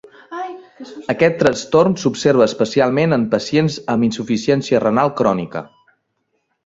Aquest trastorn s'observa especialment en pacients amb insuficiència renal crònica.